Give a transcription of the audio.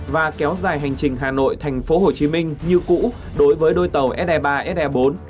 và kéo dài hành trình hà nội tp hcm như cũ đối với đôi tàu se ba se bốn